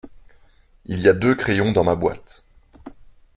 Il y a deux crayons dans ma boîte.